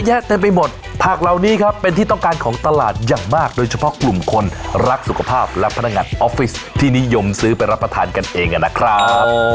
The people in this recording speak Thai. เต็มไปหมดผักเหล่านี้ครับเป็นที่ต้องการของตลาดอย่างมากโดยเฉพาะกลุ่มคนรักสุขภาพและพนักงานออฟฟิศที่นิยมซื้อไปรับประทานกันเองนะครับ